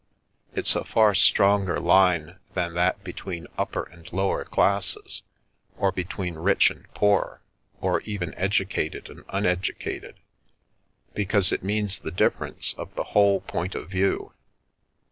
It's a far stronger line than that between ' upper ' and ' lower ' classes, or between rich and poor, or even edu cated and uneducated, because it means the difference of the whole point of view.